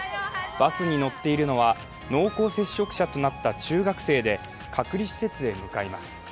バスに乗っているのは濃厚接触者となった中学生で、隔離施設へ向かいます。